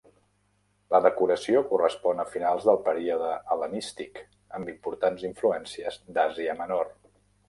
La decoració correspon a finals del període hel·lenístic, amb importants influències d'Àsia Menor.